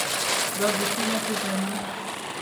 دا بېخي نه پېژنو.